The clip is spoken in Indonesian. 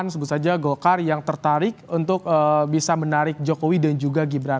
ada beberapa parpol dari golkar yang tertarik untuk bisa menarik jokowi dan juga gibran